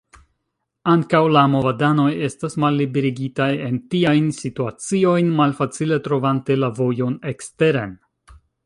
Ankaŭ la movadanoj estas malliberigitaj en tiajn situaciojn, malfacile trovante la vojon eksteren.